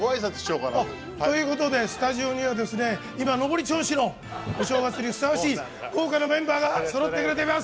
スタジオには今、上り調子のお正月にふさわしい豪華なメンバーがそろっています。